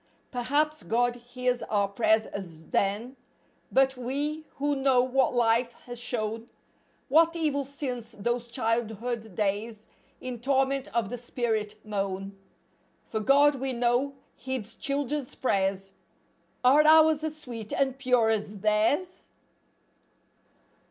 Perhaps God hears our prayers as then, but we who know what life has shown— What evil since those childhood days, in torment of the spirit moan. For God, we know, heeds children's prayers; Are ours as sweet and pure as theirs?